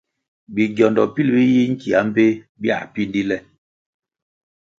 Bigiondo pil bi yi nkia mbpéh biãh píndí le.